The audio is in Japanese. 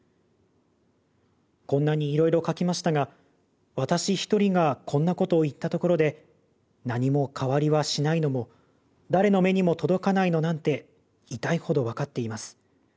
こんなにいろいろ書きましたが私一人がこんなことを言ったところで何も変わりはしないのも誰の目にも届かないのなんて痛いほど分かっています。